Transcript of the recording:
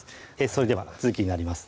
それでは続きになります